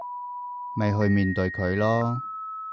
咪去面對佢囉